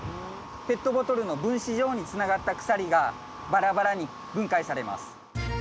ペットボトルの分子状につながった鎖がバラバラに分解されます。